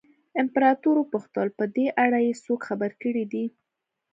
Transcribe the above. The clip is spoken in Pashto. امپراتور وپوښتل په دې اړه یې څوک خبر کړي دي.